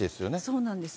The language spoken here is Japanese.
そうなんです。